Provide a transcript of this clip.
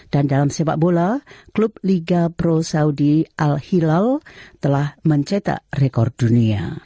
dan dalam sepak bola klub liga pro saudi al hilal telah mencetak rekor dunia